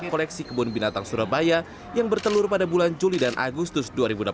koleksi kebun binatang surabaya yang bertelur pada bulan juli dan agustus dua ribu delapan belas